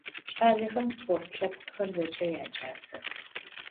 Ç'alexem sport lhepkhxer zeç'e yaç'asex.